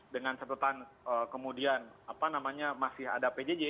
dengan setelah kemudian apa namanya masih ada pjj